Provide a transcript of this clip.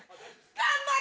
頑張れ！